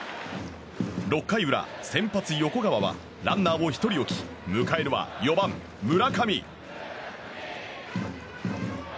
６回裏、先発、横川はランナーを１人置き迎えるは４番、村上。